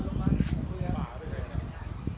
กลับมาเมื่อเวลาเมื่อเวลา